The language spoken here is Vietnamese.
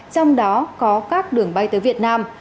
trong đó có các đường bay tới việt nam